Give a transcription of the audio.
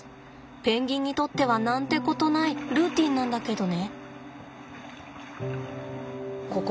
ペンギンにとっては何てことないルーティンなんだけどね。